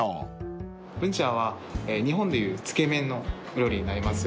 ブンチャーは日本でいうつけ麺の料理になります。